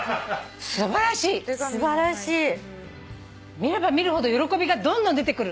見れば見るほど喜びがどんどん出てくる。